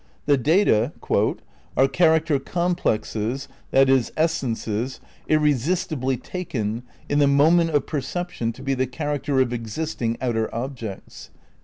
The data "are character complexes (= essences) irresistibly taken, in the moment of perception, to be the character of existing outer objects."